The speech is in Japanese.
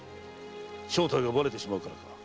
正体がばれてしまうからか？